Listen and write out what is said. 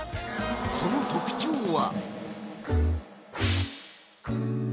その特徴は？